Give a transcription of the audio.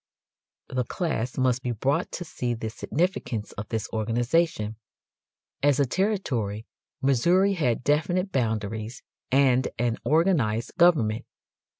The class must be brought to see the significance of this organization. As a territory Missouri had definite boundaries and an organized government.